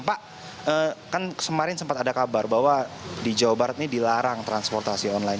pak kan kemarin sempat ada kabar bahwa di jawa barat ini dilarang transportasi online